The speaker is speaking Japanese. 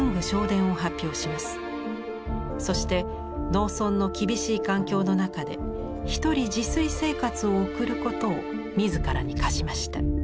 そして農村の厳しい環境の中で一人自炊生活を送ることを自らに課しました。